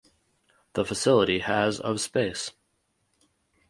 The facility has of space.